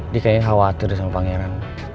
dia kayaknya khawatir sama pangeran